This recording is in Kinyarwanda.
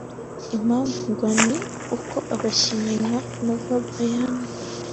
Impamvu ngo ni uko abakinnyi nka Nova Bayama